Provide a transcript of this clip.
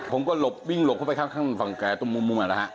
ผมก็ลบวิ่งลบไปข้างมาฝั่งแก่ตรงมุมนั่นแหละฮะ